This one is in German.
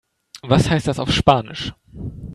Was heißt das auf Spanisch?